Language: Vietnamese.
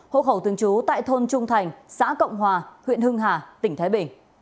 hộ khẩu thường trú tại thôn trung thành xã cộng hòa huyện hưng hà tỉnh thái bình